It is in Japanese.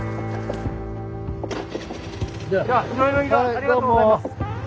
ありがとうございます。